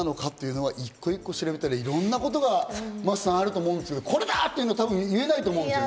いろんなことがあると思うんですけど、これだっていうのは言えないと思うんですね。